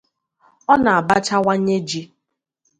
a na-abachawanye ji.